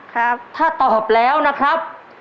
ครับ